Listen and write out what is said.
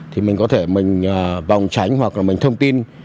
thì mình có thể mình vòng tránh hoặc là mình thông tin